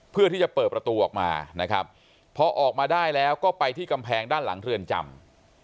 เพื่อที่จะเปิดประตูออกมานะครับพอออกมาได้แล้วก็ไปที่กำแพงด้านหลังเรือนจำ